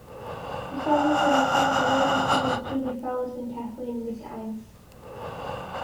The song has been recorded by notable singers Julie Fowlis and Kathleen MacInnes.